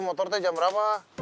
motor tee jam berapa